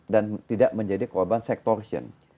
dan tidak menjadi korban sektorian